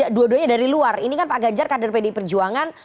jadi dua duanya dari luar ini kan pak ganjar kader pd perjuangan